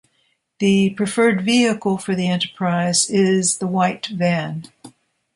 The preferred vehicle for the enterprise is the white van.